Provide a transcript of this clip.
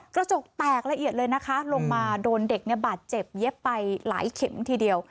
กระจกแตกละเอียดเลยนะคะลงมาโดนเด็กบาดเจ็บเย็บไปหลายเข็มทีเดียว